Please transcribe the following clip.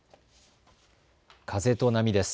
風と波です。